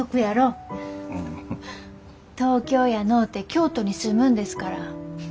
東京やのうて京都に住むんですから。